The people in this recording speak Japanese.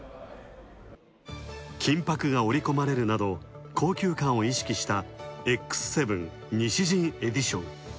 金箔が織り込まれるなど、高級感を意識したＸ７西陣エディション。